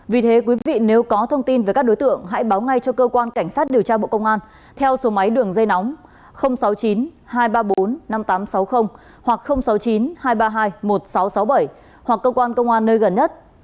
vì thế quý vị nếu có thông tin về các đối tượng hãy báo ngay cho cơ quan cảnh sát điều tra bộ công an theo số máy đường dây nóng sáu mươi chín hai trăm ba mươi bốn năm nghìn tám trăm sáu mươi hoặc sáu mươi chín hai trăm ba mươi hai một nghìn sáu trăm sáu mươi bảy hoặc cơ quan công an nơi gần nhất